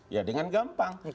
ya dengan gampang